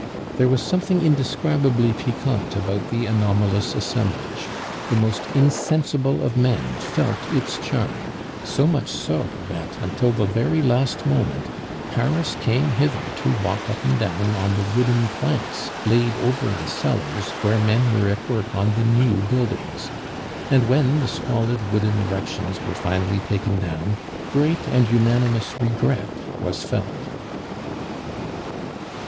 There was something indescribably piquant about the anomalous assemblage; the most insensible of men felt its charm, so much so, that, until the very last moment, Paris came hither to walk up and down on the wooden planks laid over the cellars where men were at work on the new buildings; and when the squalid wooden erections were finally taken down, great and unanimous regret was felt.